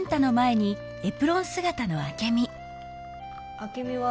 明美は。